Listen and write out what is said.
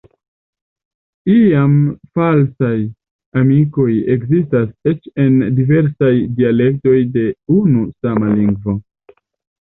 Iam falsaj amikoj ekzistas eĉ en diversaj dialektoj de unu sama lingvo.